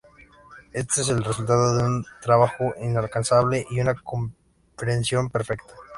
Este es el resultado de un trabajo incansable y una comprensión perfecta".